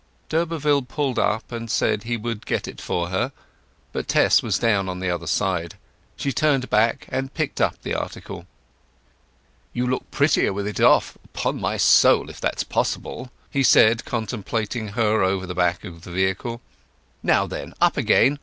D'Urberville pulled up, and said he would get it for her, but Tess was down on the other side. She turned back and picked up the article. "You look prettier with it off, upon my soul, if that's possible," he said, contemplating her over the back of the vehicle. "Now then, up again!